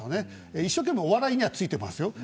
一生懸命お笑いにはついていけてますよ。